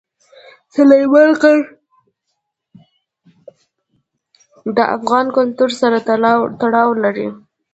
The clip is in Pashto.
سلیمان غر د افغان کلتور سره تړاو لري.